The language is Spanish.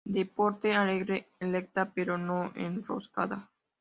De porte alegre, erecta, pero no enroscada.